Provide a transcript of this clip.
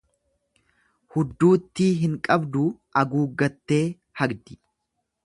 Hudduuttii hin qabduu aguuggattee hagdi.